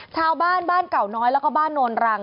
ชาวบ้านบ้านเก่าน้อยแล้วก็บ้านโนนรัง